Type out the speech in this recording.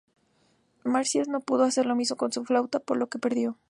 Marsias no pudo hacer lo mismo con su flauta, por lo que perdió.